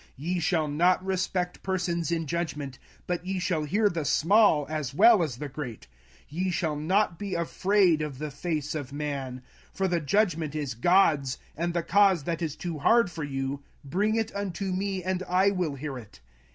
05:001:017 Ye shall not respect persons in judgment; but ye shall hear the small as well as the great; ye shall not be afraid of the face of man; for the judgment is God's: and the cause that is too hard for you, bring it unto me, and I will hear it.